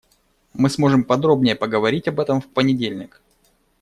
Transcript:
Мы сможем подробнее поговорить об этом в понедельник.